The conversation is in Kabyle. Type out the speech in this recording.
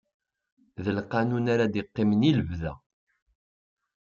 D lqanun ara d-iqqimen i lebda